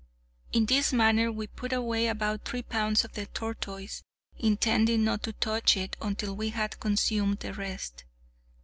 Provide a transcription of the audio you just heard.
In this manner we put away about three pounds of the tortoise, intending not to touch it until we had consumed the rest.